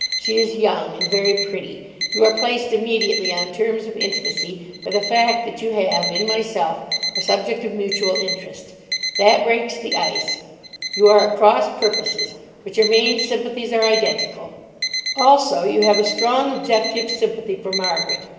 She is young, and very pretty. You are placed immediately on terms of intimacy by the fact that you have, in myself, a subject of mutual interest. That breaks the ice. You are at cross purposes, but your main sympathies are identical. Also, you have a strong objective sympathy for Margaret.